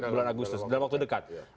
bulan agustus dalam waktu dekat